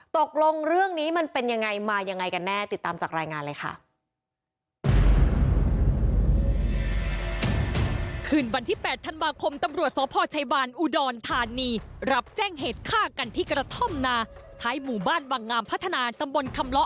ตกลงเรื่องนี้มันเป็นยังไงมายังไงกันแน่ติดตามจากรายงานเลยค่ะ